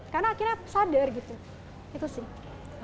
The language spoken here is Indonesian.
karena akhirnya sadar gitu itu sih